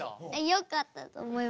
よかったと思います。